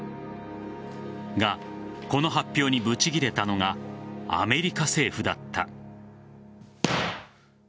が、この発表にぶち切れたのがアメリカ政府だった。